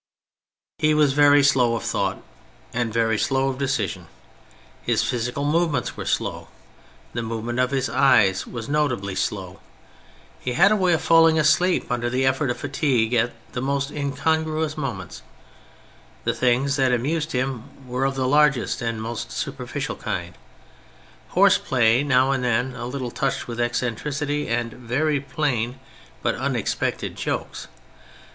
He was very slow of thought, and very slow of decision. His physical movements were slow. The movement of his eyes was notably slow. He had a w^ay of falling asleep under the effort of fatigue at the most incon^jruous moments. The things that amused him were of the largest and most superficial kind Horse play, now and then a little touched with eccentricity, and very plain but unexpected jokes.